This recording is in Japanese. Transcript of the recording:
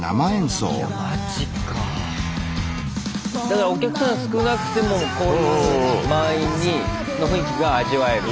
だからお客さん少なくてもこういう満員の雰囲気が味わえる。